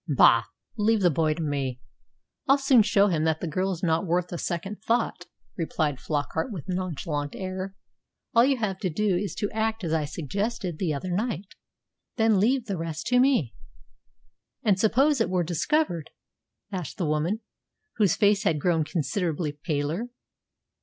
"Bah! Leave the boy to me. I'll soon show him that the girl's not worth a second thought," replied Flockart with nonchalant air. "All you have to do is to act as I suggested the other night. Then leave the rest to me." "And suppose it were discovered?" asked the woman, whose face had grown considerably paler.